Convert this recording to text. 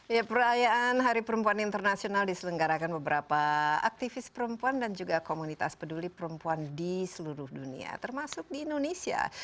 ya perayaan hari perempuan internasional diselenggarakan beberapa aktivis perempuan dan juga komunitas peduli perempuan di seluruh dunia termasuk di indonesia